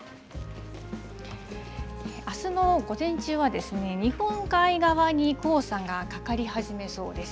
あすの午前中は、日本海側に黄砂がかかり始めそうです。